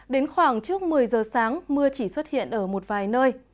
đến khoảng trước một mươi giờ sáng mưa chỉ xuất hiện ở một vài nơi